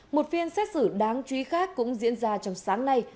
một phiên xét xử đáng chú ý khác cũng diễn ra trong sáng nay